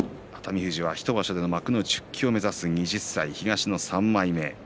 富士は１場所での幕内復帰を目指す２３歳、東の３枚目。